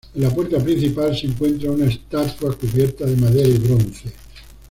En la puerta principal se encuentra una estatua cubierta de madera y bronce.